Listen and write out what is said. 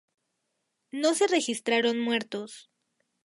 No se registraron muertos.